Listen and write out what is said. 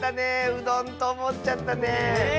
うどんとおもっちゃったね。